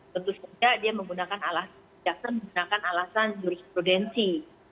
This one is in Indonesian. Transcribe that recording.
tentu saja jaksa menggunakan alasan jurisprudensi